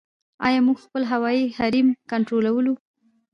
آیا موږ خپل هوایي حریم کنټرولوو؟